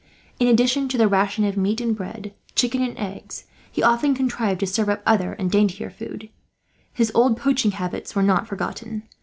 In addition to the rations of meat and bread, chicken and eggs, he often contrived to serve up other and daintier food. His old poaching habits were not forgotten.